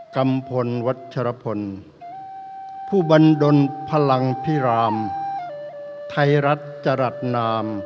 กัมพลวัชรพลผู้บันดลพลังพิรามไทยรัฐจรัสนาม